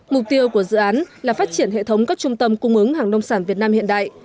mục tiêu của dự án là phát triển hệ thống các trung tâm cung ứng hàng nông sản việt nam hiện đại